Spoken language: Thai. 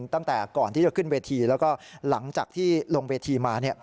ตั้งแต่ก่อนที่จะขึ้นเวทีแล้วก็หลังจากที่ลงเวทีมา